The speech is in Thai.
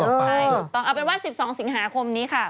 เอาเป็นว่า๑๒สิงหาคมนี้ค่ะ